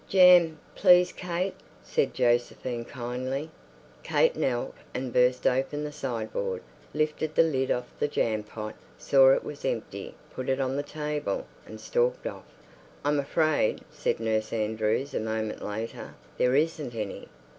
"Jam, please, Kate," said Josephine kindly. Kate knelt and burst open the sideboard, lifted the lid of the jam pot, saw it was empty, put it on the table, and stalked off. "I'm afraid," said Nurse Andrews a moment later, "there isn't any."